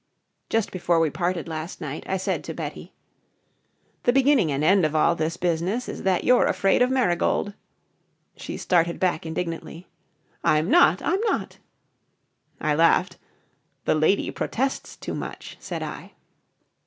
Just before we parted last night, I said to Betty: "The beginning and end of all this business is that you're afraid of Marigold." She started back indignantly. "I'm not! I'm not!" I laughed. "The Lady protests too much," said I.